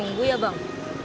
nunggu ya bang